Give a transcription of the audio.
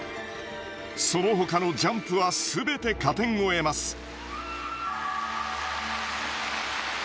そのほかのジャンプは全て加点を得ます。